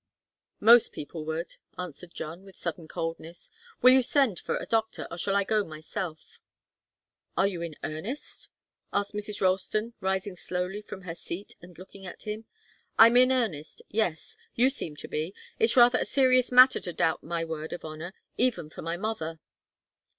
"Most people would," answered John, with sudden coldness. "Will you send for a doctor? Or shall I go myself?" "Are you in earnest?" asked Mrs. Ralston, rising slowly from her seat and looking at him. "I'm in earnest yes. You seem to be. It's rather a serious matter to doubt my word of honour even for my mother."